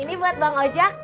ini buat bang ojak